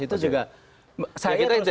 itu juga saya terus terangin